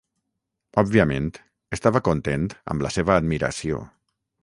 Òbviament estava content amb la seva admiració.